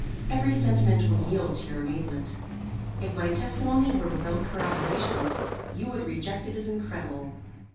Every sentiment will yield to your amazement. If my testimony were without corroborations, you would reject it as incredible.